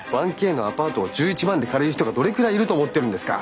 １Ｋのアパートを１１万で借りる人がどれくらいいると思ってるんですか？